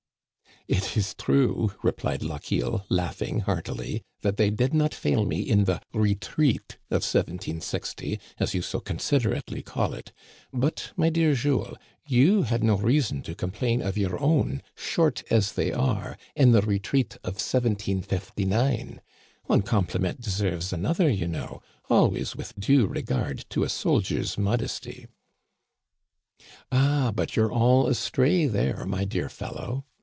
" It is true," replied Lochiel, laughing heartily, that they did not fail me in the retreat oi 1760, as you so considerately call it, but, my dear Jules, you had no reason to complain of your own, short as they are, in the retreat of 1759. One compliment deserves another you know, always with due regard to a soldier's modesty." " Ah, but you're all astray there, my dear fellow.